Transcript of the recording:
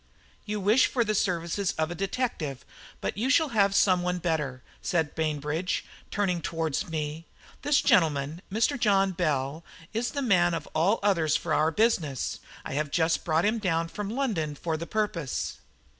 "You wish for the services of a detective, but you shall have some one better," said Bainbridge, turning towards me. "This gentleman, Mr. John Bell, is the man of all others for our business. I have just brought him down from London for the purpose."